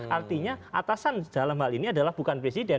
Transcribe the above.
artinya atasan dalam hal ini adalah bukan presiden